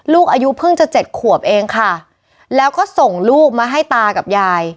ลูกอายุเพิ่งจะเจ็ดขวบเองค่ะแล้วก็ส่งลูกมาให้ตากับยาย